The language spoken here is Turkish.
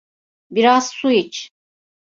Biraz su iç.